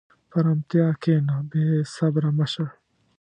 په ارامتیا کښېنه، بېصبره مه شه.